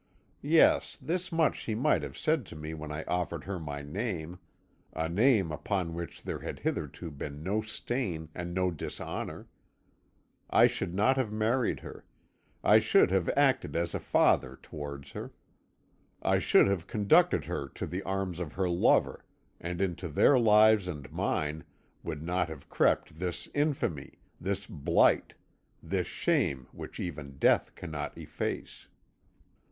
Yes, this much she might have said to me when I offered her my name a name upon which there had hitherto been no stain and no dishonour. I should not have married her; I should have acted as a father towards her; I should have conducted her to the arms of her lover, and into their lives and mine would not have crept this infamy, this blight, this shame which even death cannot efface.